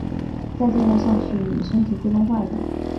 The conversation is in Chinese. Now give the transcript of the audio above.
再这样下去妳身体会弄坏的